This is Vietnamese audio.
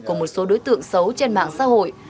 của một số đối tượng xấu trên mạng xã hội